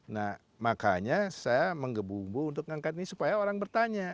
nah makanya saya menggebu gebu untuk mengangkat ini supaya orang bertanya